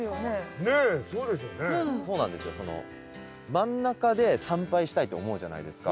真ん中で参拝したいって思うじゃないですか。